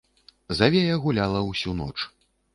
Завея гуляла ўсю ноч.